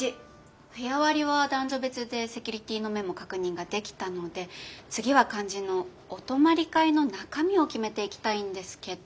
部屋割りは男女別でセキュリティーの面も確認ができたので次は肝心のお泊まり会の中身を決めていきたいんですけど。